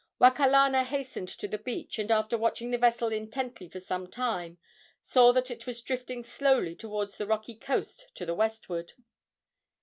Wakalana hastened to the beach, and, after watching the vessel intently for some time, saw that it was drifting slowly toward the rocky coast to the westward.